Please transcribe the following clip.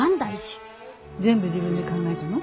全部自分で考えたの？